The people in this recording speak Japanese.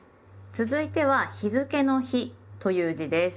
続いては日付の「日」という字です。